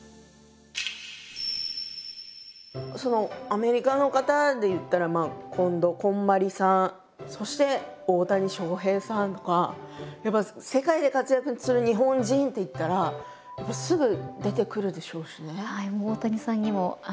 アメリカの方でいったらまあ近藤こんまりさんそして大谷翔平さんとかやっぱり世界で活躍する日本人っていったらすぐ出てくるでしょうしね。